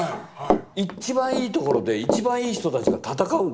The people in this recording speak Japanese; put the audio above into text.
一番いいところで一番いい人たちが戦うんですよ。